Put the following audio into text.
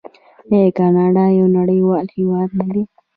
آیا کاناډا یو نړیوال هیواد نه دی؟